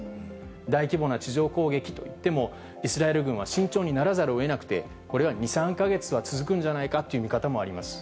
大規模な地上攻撃といっても、イスラエル軍は慎重にならざるをえなくて、これは２、３か月は続くんじゃないかという見方もあります。